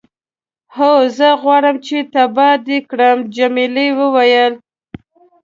هو، زه غواړم چې تباه دې کړم. جميلې وويل:.